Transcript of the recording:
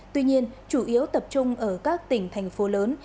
tuy nhiên chủ yếu tập trung ở các tỉnh thành phố lớn